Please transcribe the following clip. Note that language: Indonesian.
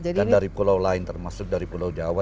dan dari pulau lain termasuk dari pulau jawa